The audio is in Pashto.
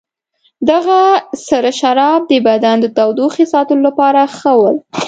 دغه سره شراب د بدن د تودوخې ساتلو لپاره ښه ول.